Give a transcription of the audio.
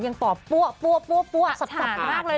ยังตอบปั่วสบสารมากเลย